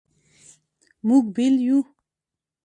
مونږ بیل یو